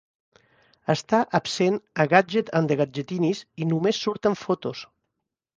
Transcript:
Està absent a "Gadget and the Gadgetinis" i només surt en fotos.